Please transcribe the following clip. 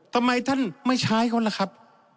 ทำไมท่านไม่ใช้เขาล่ะครับ